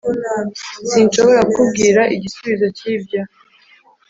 sinshobora kukubwira igisubizo cyibyo